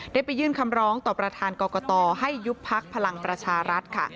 ไปยื่นคำร้องต่อประธานกรกตให้ยุบพักพลังประชารัฐค่ะ